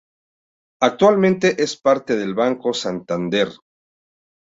Actualmente es parte del Banco Santander.